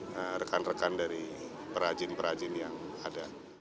mereka adalah rekan rekan dari perajin perajin yang ada